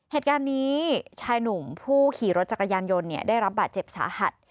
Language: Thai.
เหตุการณ์นี้ชายหนุ่มผู้ขี่รถจักรยานยนต์ได้รับบาดเจ็บสาหัส